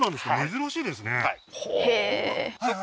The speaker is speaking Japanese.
珍しいですね